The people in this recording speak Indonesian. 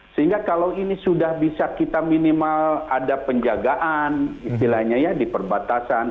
sehingga kalau ini sudah bisa kita minimal ada penjagaan istilahnya ya di perbatasan